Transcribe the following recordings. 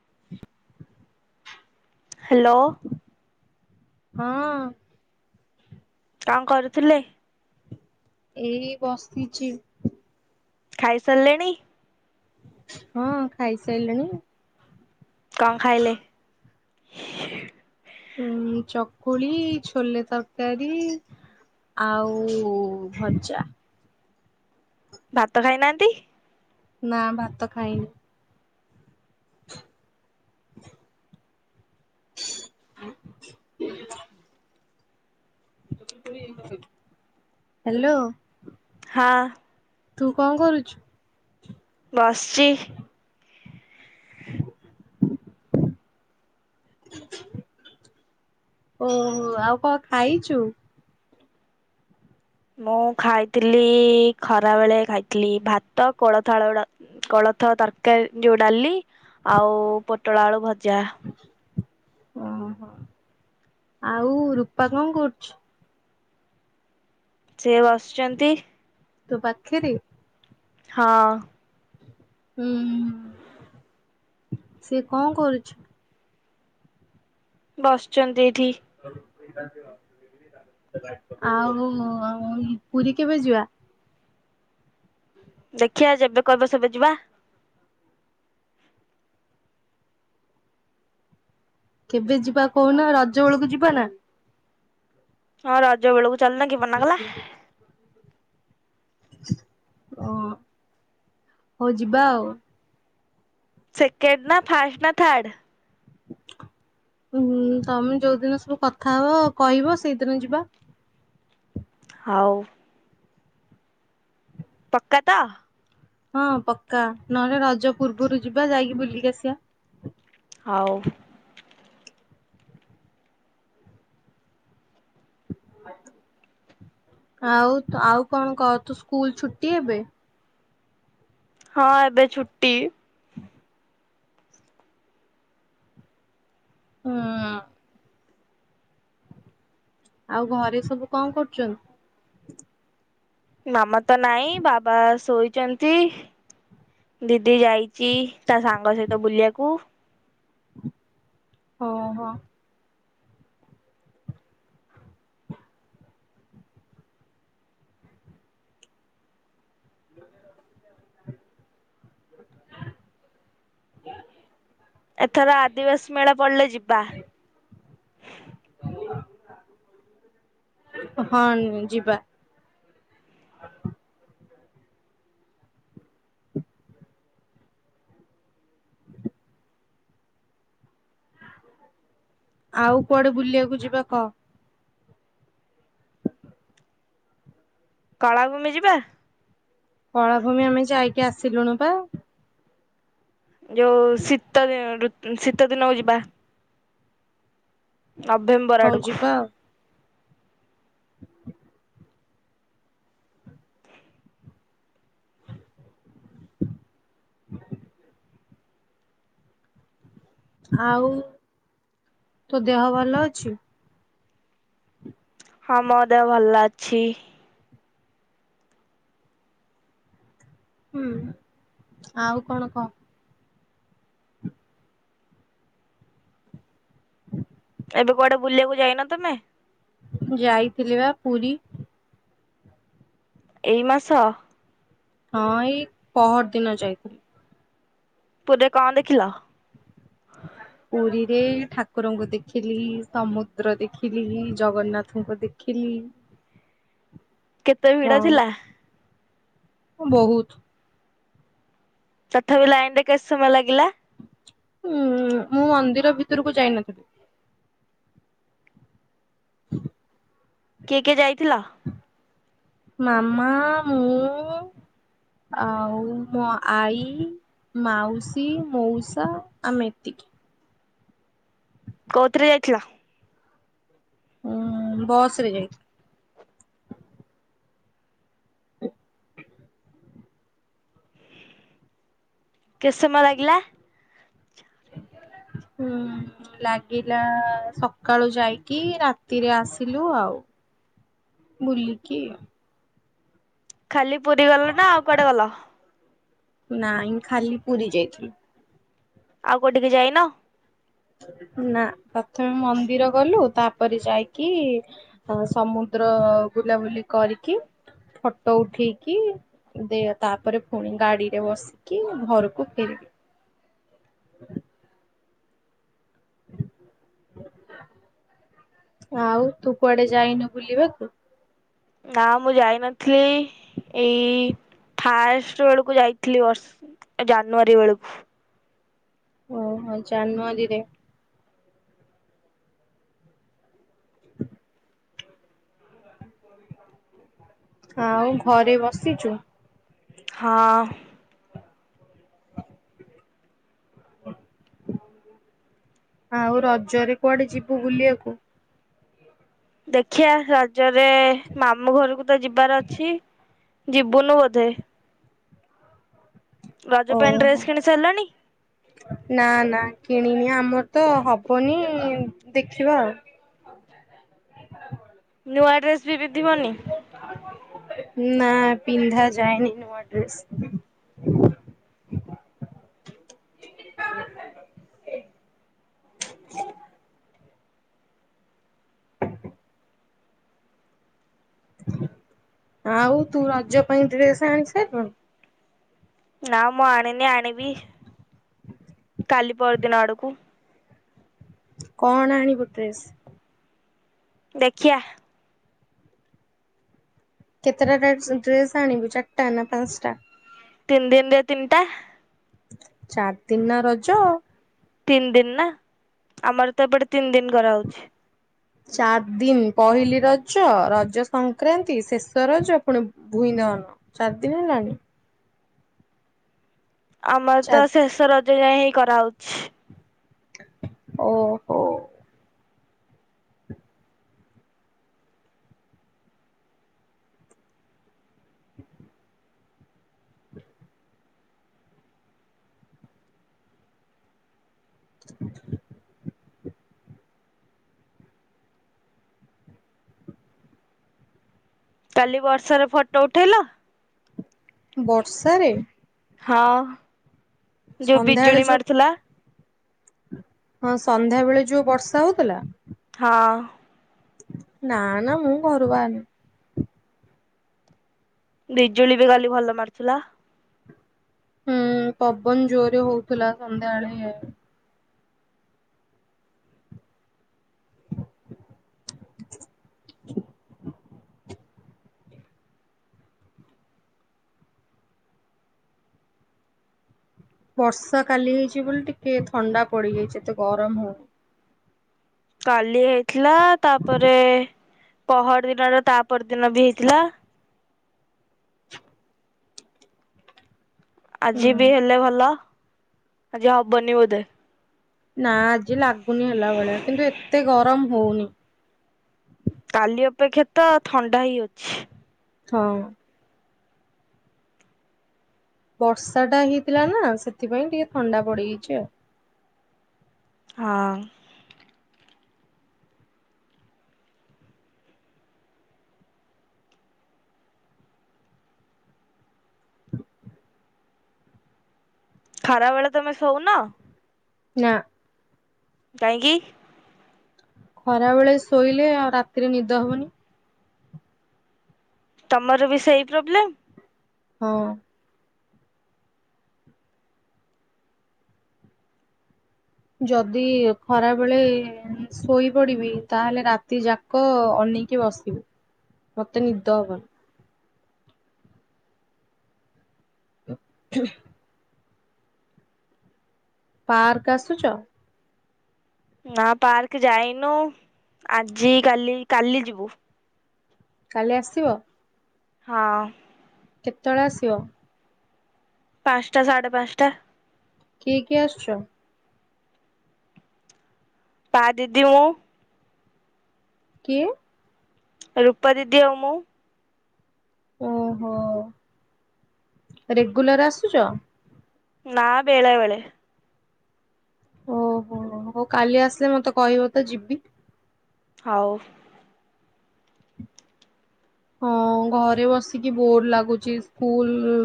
[inaudible] Hello. ହଁ କଣ କରୁଥିଲେ? ଏଇ ବସିଛି। ଖାଇସାରିଲେଣି? ହଁ ଖାଇସାରିଲିଣି। କଣ ଖାଇଲେ? ଉ ଚକୁଳି ଛୋଲେ ତରକାରୀ ଆଉ ଭଜା। ଭାତ ଖାଇନାହାନ୍ତି? ନା ଭାତ ଖାଇନି। [inaudible] ହ୍ୟାଲୋ। ହଁ ତୁ କଣ କରୁଛୁ? ବସ୍ଚି। ଓହୋ ଆଉ କଣ ଖାଇଛୁ? ମୁଁ ଖାଇଥିଲି ଖରା ବେଳେ ଖାଇଥିଲି ଭାତ କୋଳଥ ଆଳୁ ଲା କୋଳଥ ତରକାରୀ ଯୋଉ ଡାଲି ଆଉ ପୋଟଳ ଆଳୁ ଭ ଜା ଓହୋ ଆଉ ରୂପା କଣ କରୁଛୁ? ସେ ବସିଛନ୍ତି। ତୋ ପାଖେରେ? ହଁ ହୁଁ ସେ କଣ କରୁଛି? ବସିଛନ୍ତି ଏଇଠି। ଆଉ ଅ, ପୁରୀ କେବେ ଯିବା? ଦେଖିବା ଯେବେ କହିବ ସେବେ ଯିବା। କେବେ ଯିବା କହୁନ ରଜ ବେଳକୁ ଯିବା ନା? ହଁ ରଜବେଳକୁ ଚଲନ କି ମନା କଲା। ଓ ହଉ ଯିବା ଆଉ। ସେକେଣ୍ଡ ନା ଫାଷ୍ଟ ନା ଥାର୍ଡ। ହୁଁ ତୋମେ ଯୋଉଦିନ ସବୁ କଥା ହବ କହିବ ସେଇଦିନ ଯିବା। ହଉ। ପକା ତ। ହଁ ପକ୍କା ନହେଲେ ରଜ ପୂର୍ବରୁ ଯିବା ଯାଇକି ବୁଲିକି ଆସିବା। ହଉ ଆଉ ଆଉ କଣ କ ତୁ ସ୍କୁଲ୍ ଛୁଟି ଏବେ? ହଁ ଏବେ ଛୁଟି। ହୁଁ। ଆଉ ଘରେ ସବୁ କଣ କରୁଛନ୍ ମାମା ତ ନାଇଁ ବାବା ଶୋଇଚନ୍ତି ଦି ଦି ଯାଇଚି ତା ସାଙ୍ଗ ସହିତ ବୁଲିବାକୁ। ହଁ ହଁ। [unintelligible] ଏଥର ଆଦିବାସୀ ମେଳା ପଡିଲେ ଯିବା। ହଁ ଯିବା। [unintelligible] ଆଉ କୁଆଡେ ବୁଲିବାକୁ ଯିବା କ। କଳାକୁମି ଯିବା। କଳାଭୂମି ଆମେ ଯାଇକି ଆସିଲୁଣୁ ପା। ଯୋଉ ଶୀତ ଦି-ଋ ଉଁ, ଶୀତ ଦିନକୁ ଯିବା। ନଭେମ୍ବର ହଉ ଆଡକୁ। ଯିବା ଆଉ। [unintelligible] [unintelligible] ଆଉ ତୋ ଦେହ ଭଲ ଅଛି? ହଁ ମୋ ଦେହ ଭଲ ଅଛି। ହୁଁ ଆଉ କଣ କହ? ଏବେ କୁଆଡେ ବୁଲିବାକୁ ଯାଇନ ତୁମେ? ଯାଇଥିଲି ବା ପୁରୀ। ଏଇ ମାସ? ହଁ ଏଇ ପହର ଦିନ ଯାଇଥିଲି। ପୁରୀରେ କଣ ଦେଖିଲ? ପୁରୀରେ ଠାକୁରଙ୍କୁ ଦେଖିଲି, ସମୁଦ୍ର ଦେଖିଲି, ଜଗନ୍ନାଥଙ୍କୁ ଦେଖିଲି। କେତେ ଭିଡ ଥିଲା? ହଁ, ବହୁତ। ତଥାପି ଲାଇନ୍ ରେ କେତେ ସମୟ ଲାଗିଲା? ଉଁ, ମୁଁ ମନ୍ଦିର ଭିତରକୁ ଯାଇନଥିଲି। କିଏ କିଏ ଯାଇ ଥିଲା। ମାମା ମୁଁ ଆଉ ମୋ ଆଈ ମାଉସୀ ମୋଉସା ଆମେ ଏତିକି। କୋଉଥିରେ ଯାଇଥିଲ? ଉଁ ବସରେ ଯାଇଥି କେତେ ସମୟ ଲାଗିଲା? ହୁଁ ଲାଗିଲା ସକାଳୁ ଯାଇକି ରାତିରେ ଆସିଲୁ ଆଉ ବୁଲିକି। ଖାଲି ପୁରୀ ଗଲ ନାଁ ଆଉ କୁଆଡ଼େ ଗଲ? ନାଇଁ ଖାଲି ପୁରୀ ଯାଇଥିଲୁ। ଆଉ କୋଉଠିକି ଯାଇନ? ନାଁ ପ୍ରଥମେ ମନ୍ଦିର ଗଲୁ ତାପରେ ଯାଇକି ଅ ସମୁଦ୍ର ବୁଲାବୁଲି କରିକି ଫଟ ଉଠେଇକି ଦେ ତାପରେ ପୁଣି ଗାଡ଼ିରେ ବସିକି ଘରୁକୁ ଫେରିଲୁ। ଆଉ ତୁ କୁଆଡ଼େ ଯାଇନୁ ବୁଲିବାକୁୁ? ନାଁ ମୁଁ ଯାଇନଥିଲି ଏଇ ଫାଷ୍ଟ ଅଳୁକୁ ଯାଇଥିଲି ବର୍ଷ ଜାନୁଆରୀ ବେଳୁକୁ। ଓହୋ ଜାନୁୟାରୀରେ। ଆଉ ଘରେ ବସିଚୁ? ହଁ। ଆଉ ରଜରେ କୁଆଡ଼େ ଯିବୁ ବୁଲିଆକୁ? ଦେଖିଆ ର ଜରେ ମାମୁଁ ଘରୁକୁ ତ ଯିବାର ଅଛି। ଯିବୁନୁ ବୋଧେ। ରଜ ପାଇଁ ଓହୋ ଡ୍ରେସ୍ କିଣି ସାରିଲଣି? ନାଁ ନାଁ କିଣିନି ଆମର ତ ହବନି ଦେଖିବା ଆଉ। ନୂଆ ଡ୍ରେସ୍ ବି ପିନ୍ଧିବନି [unintelligible] ନାଁ ପିନ୍ଧାଯାଏନି ନୂଆ ଡ୍ରେସ୍। ଆଉ ତୁ ରଜ ପାଇଁ ଡ୍ରେସ ଆଣି ସାଇଲୁଣୁ? ନା ମୁଁ ଆ ମେନେ ଆଣିବି କାଲି ପାଇଁ ପରଦିନ ଆଡ଼ୁକୁ କଣ ଆଣିବୁ ଡ୍ରେସ୍? ଦେଖିଆ କେତେଟା ଟା ଡ୍ରେସ୍ ଆଣିବୁ ଚାରିଟା ନାଁ ପାଁଶଟା? ତିନି ଦିନିରେ ତିନିଟା। ଚାରି ଦିନ ରଜ। ତିନି ଦିନ ନାଁ ଆମର ତ ଏପଟେ ତିନି ଦିନ କରାହଉଛି। ଚାର ଦିନ ପହିଲି ରଜ ରଜ ସଂକ୍ରାନ୍ତି ଶେଷ ରଜ ପୁଣି ଭୁଇଁଦହନ। ଚାରି ଦିନ ହେଲାନି? ଆମର ତ ଚାର ଶେଷ ରଜ ଯାଏଁ ହେ କରାହଉଛି। ଓହୋ। କାଲି ବର୍ଷାରେ ଫଟ ଉଠେଇଲ? ବର୍ଷାରେ ହଁ। ଯୋଉ ସନ୍ଧ୍ୟାବେଳେ ବିଜୁଳି ଯୋଉ ମାରଥିଲା। ହଁ ସନ୍ଧ୍ୟା ବେଳେ ଯୋଉ ବର୍ଷା ହଉଥିଲା ହଁ ନାନା ମୁ ଘରୁ ବାହାରୁନି ବିଜୁଳି ବି ଗାଲି ଭଲ ମାରୁିଥିଲା। ହୁଁ ପବନ ଜୋରେ ହଉଥିଲା ସନ୍ଧ୍ୟାବେଳେ ଇ ବର୍ଷା କାଲି ହେଇଛି ବୋଲି ଟିକେ ଥଣ୍ଡା ପଡିଯାଇଛି ଏତେ ଗରମ ହଉନି। କାଲି ଥିଲା ତାପରେ ପହର ଦିନର ତାପ ଦିନ ବି ହେଇଥିଲା। ଆଜି ହୁଁ ବି ହେଲେ ଭଲ। ଆଜି ହବନିବୋଧେ। ନାଁ ଆଜି ଲାଗୁନି ହେଲା ଭଳିଆ କିନ୍ତୁ ଏତେ ଗରମ ଭୁନି କାଲି ଅପେକ୍ଷା ତ ଥଣ୍ଡା ହି ଅଛି। ହଁ। ବର୍ଷା ଟା ହେଇଥିଲା ନା ସେଥିପାଇଁ ଟିକେ ଥଣ୍ଡା ପଡିଯାଇଛି ଆଉ। ହଁ। ଖାରା ବେଳେ ତମେ ସଉ ନ ନା। କାହିଁ କିି? ଖରା ବେଳେ ଶୋଇଲେ ଆଉ ରାତିରେ ନିଦ ହବନି। ତମର ବି ସେଇ ପ୍ରୋବ୍ଲେମ୍? ହଁ। ଯଦି ଖରା ବେଳେ ଶୋଇପଡିବି ତାହେଲେ ରାତି ଯାକ ଅନେଇକି ବସିବୁ ମତେ ନିଦ ହବନି। [inaudible] ପାର୍କ ଆସୁଛ? ନା ପାର୍କ ଯାଇନୁ ଆଜି କାଲି କାଲି ଯିବୁ। କାଲି ଆସିବ? ହଁ। କେତେବେଳେ ଆସିବ? ପାଞ୍ଚଟା ସାଢ଼େ ପାଞ୍ଚଟା କିଏ କିଏ ଆସୁଛ? ପା ଦିଦି ମୁ କିଏ? ରୂପା ଦିଦି ଆଉ ମୁଁ। ଓହୋ ରେଗୁଲାର ଆସୁଛ। ନାଁ ବେଳବେଳେ। ଓହୋ ହୋ କାଲି ଆସିଲେ ମତେ କହିବ ତ ଯିବି। ହଉ। ହଁ ଘରେ ବସିକି ବୋର ଲାଗୁଛି ସ୍କୁଲ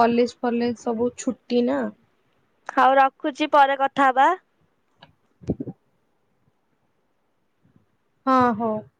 କଲେଜ ଫଲେଜ ସବୁ ଛୁଟି ନା। ଆଉ ରଖୁଛି ପରେ କଥା ହବା। ହଁ ହଁ।